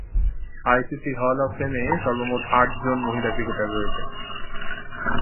ICC hall of ফেমে সর্বমোট আটজন মহিলা ক্রিকেটার রয়েছেন।